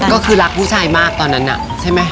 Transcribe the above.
ก็คือรักผู้ชายมากตอนนั้นน่ะใช่ไหม